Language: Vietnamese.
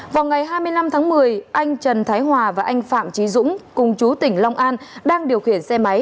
vào ngày hai mươi năm tháng một mươi anh trần thái hòa và anh phạm trí dũng cùng chú tỉnh long an đang điều khiển xe máy